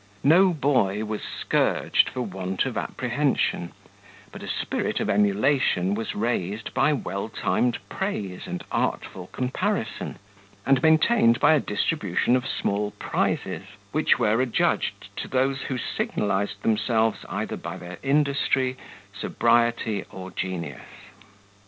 No boy was scourged for want of apprehension, but a spirit of emulation was raised by well timed praise and artful comparison, and maintained by a distribution of small prizes, which were adjudged to those who signalized themselves either by their industry, sobriety, or genius.